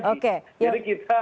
jadi kita memberikan keleluasan